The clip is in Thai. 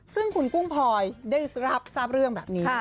ซึ่งคุณกุ้งพลอยได้รับทราบเรื่องแบบนี้